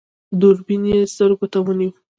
دوربين يې سترګو ته ونيو.